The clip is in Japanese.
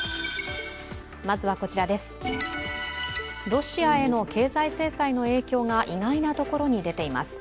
ロシアへの経済制裁の影響が意外なところに出ています。